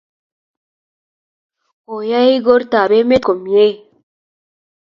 Ko yae igorta ab emet komie